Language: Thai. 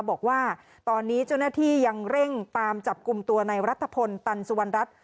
บอกว่าตอนนี้เจ้าหน้าที่ยังเร่งตามจับกลุ่มตัวในรัฐพลตันสุวรรณรัฐ